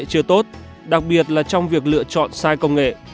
chưa tốt đặc biệt là trong việc lựa chọn sai công nghệ